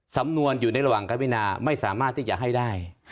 สำนวนอยู่ในระหว่างการพินาไม่สามารถที่จะให้ได้